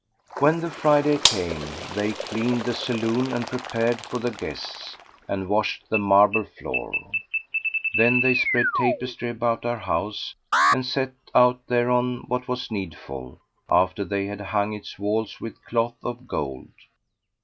When the Friday came, they cleaned the saloon and prepared for the guests and washed the marble floor; then they spread tapestry about our house and set out thereon what was needful, after they had hung its walls with cloth of gold.